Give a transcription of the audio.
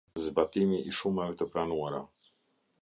Zbatimi i shumave të pranuara.